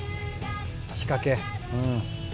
仕掛け。